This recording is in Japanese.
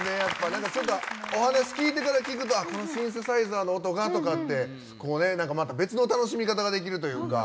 何かちょっとお話聞いてから聴くとこのシンセサイザーの音がとかってこうまた別の楽しみ方ができるというか。